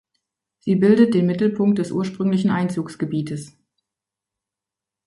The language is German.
Sie bildet den Mittelpunkt des ursprünglichen Einzugsgebietes.